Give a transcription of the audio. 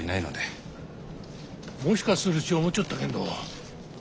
もしかするち思っちょったけんど